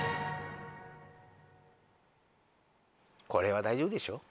これは大丈夫でしょう。